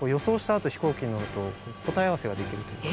あと飛行機に乗ると答え合わせができるというか。